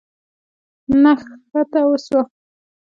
نښته وسوه.